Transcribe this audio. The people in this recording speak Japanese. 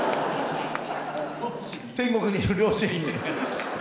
天国にいる両親に。